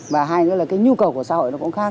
và hai nữa là cái nhu cầu của xã hội nó cũng khác